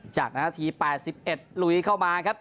จากนาที๘๑ลุยเข้ามาครับ